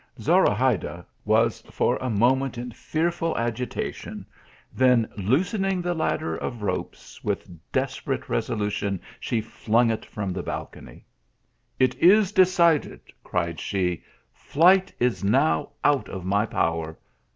Zorahayda was for a moment in fearful agitation, then loosening the ladder of ropes, with desperate resolution she flung it from the balcony. " It is decided," cried she, " flight is now out of my power